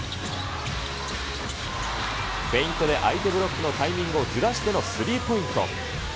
フェイントで相手ブロックのタイミングをずらしてのスリーポイント。